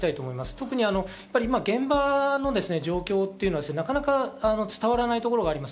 特に現場の今の状況というのはなかなか伝わらないところがあります。